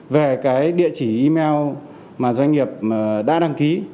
về cái địa chỉ email mà doanh nghiệp đã đăng ký